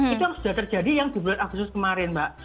itu yang sudah terjadi yang di bulan agustus kemarin mbak